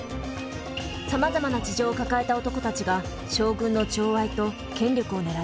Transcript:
さまざまな事情を抱えた男たちが将軍の寵愛と権力を狙います。